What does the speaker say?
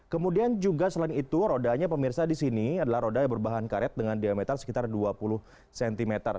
kemudian juga selain itu rodanya pemirsa di sini adalah roda yang berbahan karet dengan diameter sekitar dua puluh cm